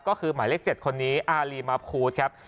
ก็คือหมายเลข๗คนนี้อารีมาพูธครับ